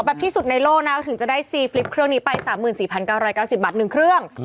แบบที่สุดในโลกนะถึงจะได้ซีฟลิปเครื่องนี้ไป๓๔๙๙๐บาท๑เครื่อง